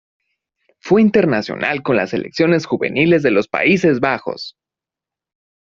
Fue internacional con las selecciones juveniles de los Países Bajos.